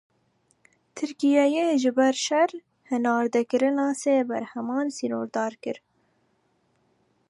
Tirkiyeyê ji ber şer, hinardekirina sê berheman sînordar kir.